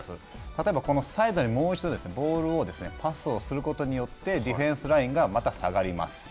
例えばこのサイドにもう一度、ボールをパスすることによってディフェンスラインがまた下がります。